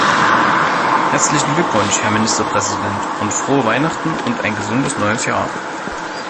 Herzlichen Glückwunsch, Herr Ministerpräsident, und Frohe Weihnachten und ein gesundes Neues Jahr.